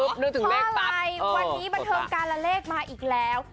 เพราะอะไรวันนี้มันเทิมการละเลขมาอีกล้าว